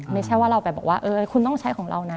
ไม่ใช่ว่าเราไปบอกว่าคุณต้องใช้ของเรานะ